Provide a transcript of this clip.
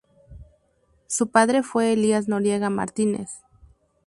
Su padre fue Elías Noriega Martínez.